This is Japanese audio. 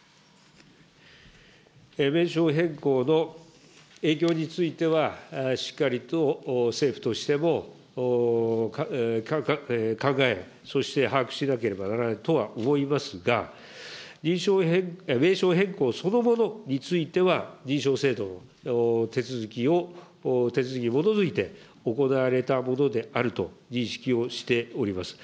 名称変更の影響については、しっかりと政府としても考え、そして把握しなければならないとは思いますが、名称変更そのものについては、認証制度、手続きを、手続きに基づいて行われたものであると認識をしております。